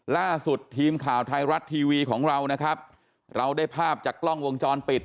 ล่าสุดทีมข่าวไทยรัฐทีวีของเรานะครับเราได้ภาพจากกล้องวงจรปิด